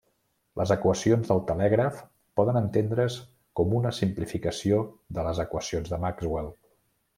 Les equacions del telègraf poden entendre's com una simplificació de les equacions de Maxwell.